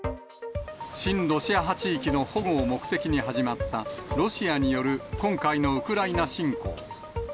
親ロシア派地域の保護を目的に始まった、ロシアによる今回のウクライナ侵攻。